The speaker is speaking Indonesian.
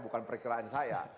bukan perkiraan saya